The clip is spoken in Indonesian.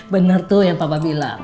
benar tuh yang papa bilang